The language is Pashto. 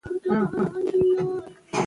سیالي کیفیت لوړوي.